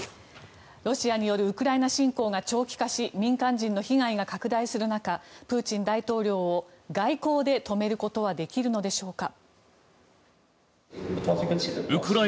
ロシアによるウクライナ侵攻が長期化し民間人の被害が拡大する中プーチン大統領を外交で止めることはできるのでしょうか。